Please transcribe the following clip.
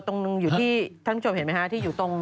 ตรงอยู่ที่ท่านผู้ชมเห็นไหมฮะที่อยู่ตรง